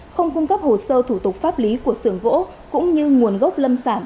không cung cấp hồ sơ thủ tục pháp lý của sưởng gỗ cũng như nguồn gốc lâm sản